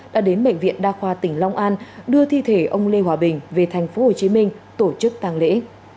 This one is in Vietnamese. đã đến bệnh viện đa khoa tỉnh long an đưa thi thể ông lê hòa bình về tp hcm tổ chức tàng lễ